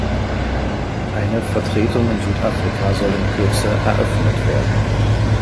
Eine Vertretung in Südafrika soll in Kürze eröffnet werden.